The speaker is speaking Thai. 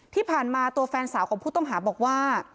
ที่ผ่านมาตัวแฟนสาวของผู้ต้องหาบอกว่า